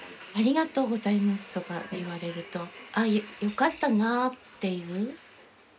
ありがとうございます」とかって言われると「あよかったな」っていう。